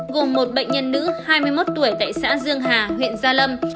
gồm một bệnh nhân nữ hai mươi một tuổi tại xã dương hà huyện gia lâm